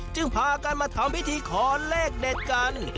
พากันมาทำพิธีขอเลขเด็ดกัน